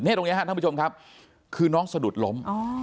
ตรงนี้ครับท่านผู้ชมครับคือน้องสะดุดล้ม